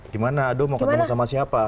gimana aduh mau ketemu sama siapa